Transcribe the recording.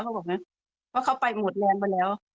เขาบอกว่าเขาไปหมดแรงไปแล้ว